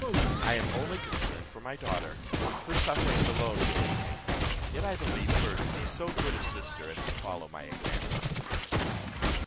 I am only concerned for my daughter; her sufferings alone afflict me; yet I believe her to be so good a sister as to follow my example."